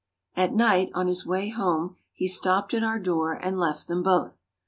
At night, on his way home, he stopped at our door and left them both.